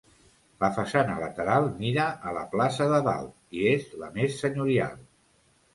La façana lateral mira a la plaça de Dalt i és la més senyorial.